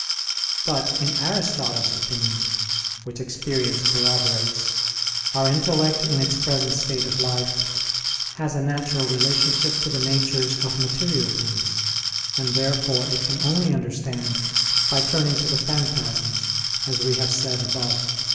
But in Aristotle's opinion, which experience corroborates, our intellect in its present state of life has a natural relationship to the natures of material things; and therefore it can only understand by turning to the phantasms, as we have said above (Q.